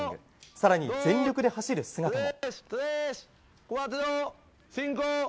更に全力で走る姿も。